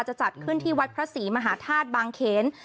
จะจัดขึ้นที่วัดพระศรีมหาธาตุบางเขน